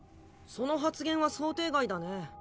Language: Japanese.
その発言は想定外だね。